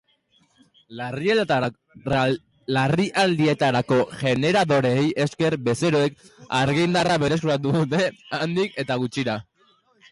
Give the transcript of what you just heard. Larrialdietarako generadoreei esker, bezeroek argindarra berreskuratu dute handik eta gutxira.